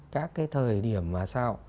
các cái thời điểm mà sao